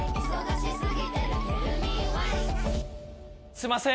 すいません。